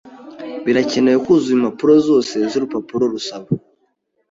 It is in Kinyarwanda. Birakenewe kuzuza impapuro zose zurupapuro rusaba.